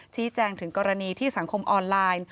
ชี้แจงถึงกรณีที่สังคมออนไลน์